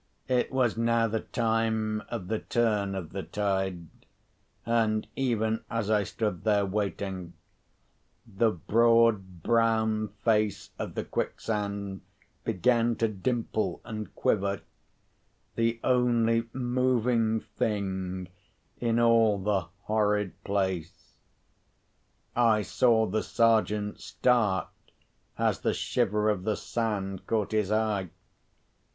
It was now the time of the turn of the tide: and even as I stood there waiting, the broad brown face of the quicksand began to dimple and quiver—the only moving thing in all the horrid place. I saw the Sergeant start as the shiver of the sand caught his eye.